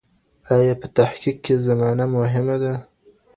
ایا په تحقیق کي زمانه مهمه ده؟